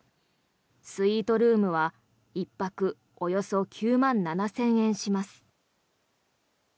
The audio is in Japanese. スイートルームは１泊およそ９万７０００円します。